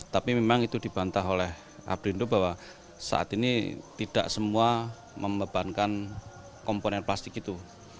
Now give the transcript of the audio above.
tapi memang itu dibantah oleh aprindo bahwa saat ini tidak semua membebankan komponen plastik itu